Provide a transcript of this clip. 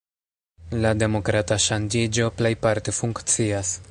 La demokrata ŝanĝiĝo plejparte funkcias.